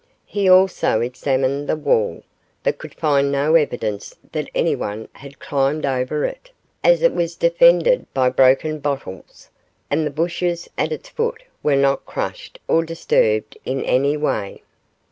He also examined the wall, but could find no evidence that anyone had climbed over it, as it was defended by broken bottles, and the bushes at its foot were not crushed or disturbed in any way.